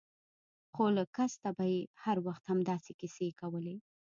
خو له کسته به يې هر وخت همداسې کيسې کولې.